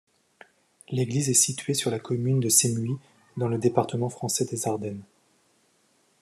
L'église est située sur la commune de Semuy, dans le département français des Ardennes.